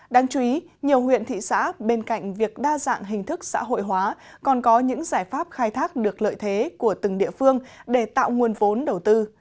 đáng chú ý nhiều huyện thị xã bên cạnh việc đa dạng hình thức xã hội hóa còn có những giải pháp khai thác được lợi thế của từng địa phương để tạo nguồn vốn đầu tư